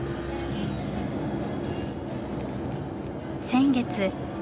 先月。